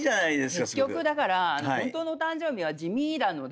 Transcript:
結局だから本当のお誕生日は地味なので。